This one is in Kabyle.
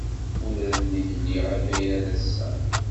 Ula d nekk liɣ akayad ass-a.